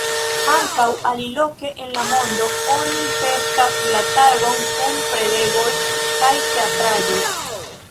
Ankaŭ aliloke en la mondo oni festas la tagon kun prelegoj kaj teatraĵoj.